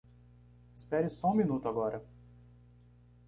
Espere só um minuto agora.